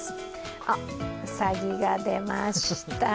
あっ、うさぎが出ました。